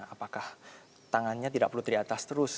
apakah tangannya tidak perlu teriatas terus